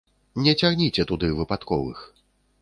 Не цягніце туды выпадковых.